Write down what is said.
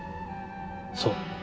そう。